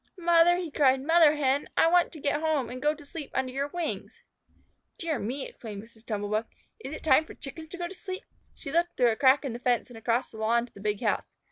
"Mother!" he cried. "Mother Hen, I want to get home and go to sleep under your wings." "Dear me!" exclaimed Mrs. Tumble bug. "Is it time for Chickens to go to sleep?" She looked through a crack in the fence and across the lawn to the big house.